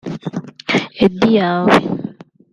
Eddy Yawe